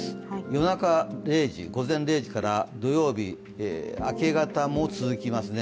夜中、午前０時から土曜日、明け方も続きますね